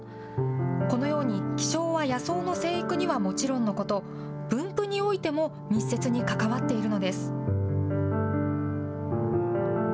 このように気象は野草の生育にはもちろんのこと、分布においても密接に関わっているのです。